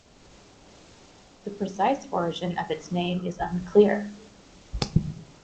The precise origin of its name is unclear.